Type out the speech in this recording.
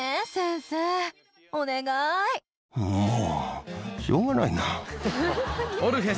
もう。